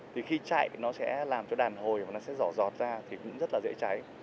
thì khi chạy nó sẽ làm cho đàn hồi và nó sẽ giỏ giọt ra thì cũng rất là dễ cháy